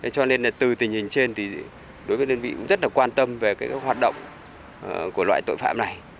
cho nên từ tình hình trên thì đối với đơn vị cũng rất là quan tâm về các hoạt động của loại tội phạm này